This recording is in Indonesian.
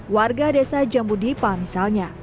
warga desa jambudipa misalnya